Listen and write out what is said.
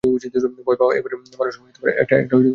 ভয় পাওয়া এই বাড়ির মানুষের একটা রোগ হয়ে গেছে।